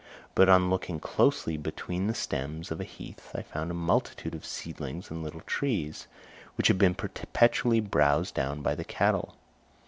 But on looking closely between the stems of the heath, I found a multitude of seedlings and little trees, which had been perpetually browsed down by the cattle.